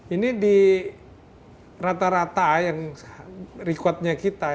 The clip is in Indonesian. ini di rata rata yang recordnya kita